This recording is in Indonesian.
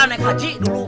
naik haji dulu